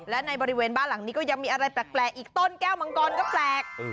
และในบริเวณบ้านหลังนี้ก็ยังมีอะไรแปลกอีกต้นแก้วมังกรก็แปลก